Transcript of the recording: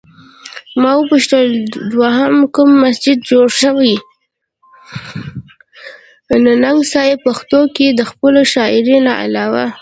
ننګ صېب پښتو کښې َد خپلې شاعرۍ نه علاوه